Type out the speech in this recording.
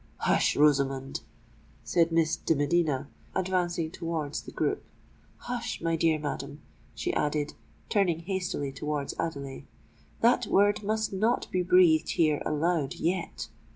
"Hush—Rosamond!" said Miss de Medina, advancing towards the group: "hush—my dear madam," she added, turning hastily towards Adelais; "that word must not be breathed here aloud yet!